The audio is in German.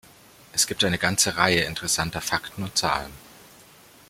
Es gibt eine ganze Reihe interessanter Fakten und Zahlen.